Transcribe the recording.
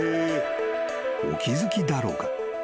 ［お気付きだろうか？